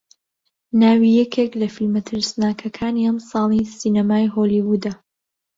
ناوی یەکێک لە فیلمە ترسناکەکانی ئەمساڵی سینەمای هۆلیوودە